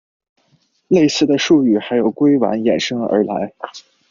类似的术语还有硅烷衍生而来。